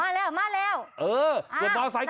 มาแล้วมาแล้ว